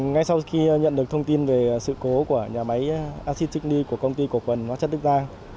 ngay sau khi nhận được thông tin về sự cố của nhà máy acid trích ly của công ty của phần hóa chất đức giang